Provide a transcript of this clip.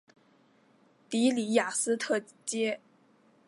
的里雅斯特街。